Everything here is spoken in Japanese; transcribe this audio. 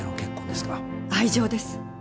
愛情です。